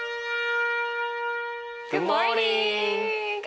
グッドモーニング。